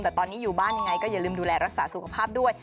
แต่ตอนนี้อยู่บ้านยังไงก็อย่าลืมดูแลรักษาสุขภาพด้วย